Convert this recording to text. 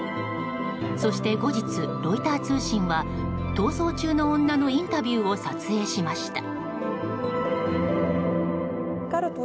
そして後日、ロイター通信は逃走中の女のインタビューを撮影しました。